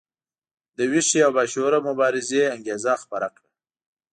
د ویښې او باشعوره مبارزې انګیزه خپره کړه.